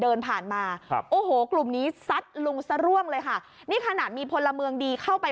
เดินผ่านมาครับโอ้โหกลุ่มนี้ซัดลุงซะร่วงเลยค่ะนี่ขนาดมีพลเมืองดีเข้าไป